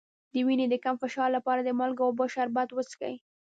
د وینې د کم فشار لپاره د مالګې او اوبو شربت وڅښئ